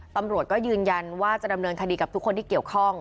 ตำรวจก็ยืนยันว่าจะดำเนินคดีกับทุกคนที่เกี่ยวข้อง